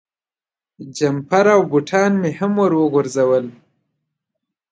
جمپر او بوټان مې هم ور وغورځول.